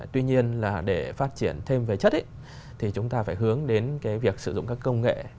tuy nhiên là để phát triển thêm về chất thì chúng ta phải hướng đến cái việc sử dụng các công nghệ